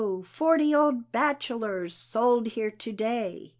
forty old bachelors sold here to day!"